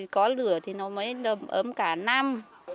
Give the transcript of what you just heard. có lửa thì nó mới ấm cả năm